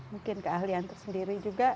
mungkin keahlian tersendiri juga